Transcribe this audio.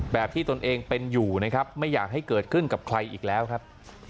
แบบที่ตนเองเป็นอยู่นะครับไม่อยากให้เกิดขึ้นกับใครอีกแล้วครับ